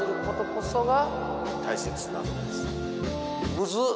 むずっ！